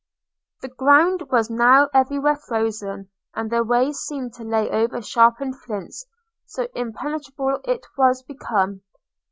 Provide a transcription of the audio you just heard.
The ground was now every where frozen; and their way seemed to lay over sharpened flints – so impenetrable it was become.